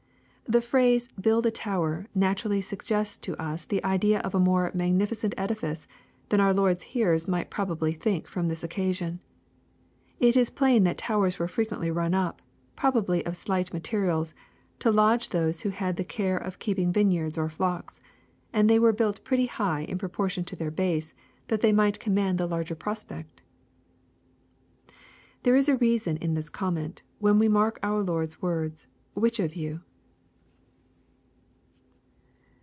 " The phrase, ' build a tower,' naturally suggests to us the idea of a more magnificent edifice, than our Lord's hearers might probably think of on tliis occasion. It is plain that towers were frequently run up, probably of slight materials, to lodge those who had the care of keeping vineyards or flocks ; and they were built pretty high in proportion to tiieir base, that they might command the larger prospect." There is reason in this comment, when we mark our Lord's words, " which of you."